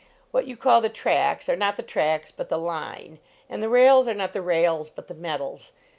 What you call the tracks are not the tracks, but the line. And the rails are not the rails, but the metals.